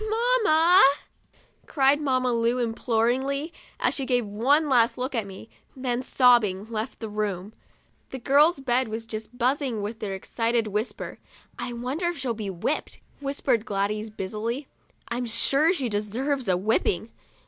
"Mamma!' cried Mamma Lu, imploringly, as she gave one last look at me, then, sobbing, left the room. The girls' bed was just buzzing with their excited whispering. 4 1 wonder if she'll be whipped ?" whispered Gladys, busily; " I'm sure she deserves a whipping."